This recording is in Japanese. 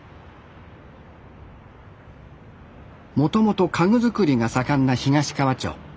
もともと家具作りが盛んな東川町。